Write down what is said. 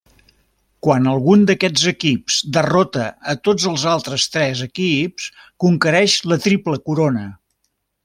Quan algun d'aquests equips derrota a tots els altres tres equips, conquereix la Triple Corona.